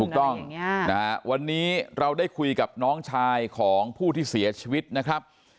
ถูกต้องวันนี้เราได้คุยกับน้องชายของผู้ที่เสียชีวิตนะครับ